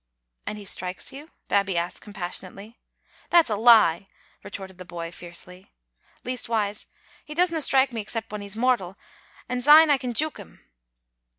" And he strikes you?" Babbie asked, compassionately. "That's a lie," retorted the boy, fiercely. "Least wise, he doesna strike me except when he's mortal, and syne I can jouk him.